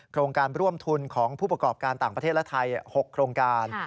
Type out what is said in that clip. โครงการร่วมทุนของผู้ประกอบการต่างประเทศและไทย๖โครงการ